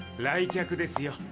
来客ですよ。